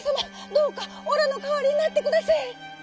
どうかおらのかわりになってくだせい」。